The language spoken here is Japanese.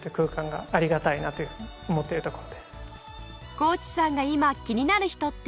河内さんが今気になる人って？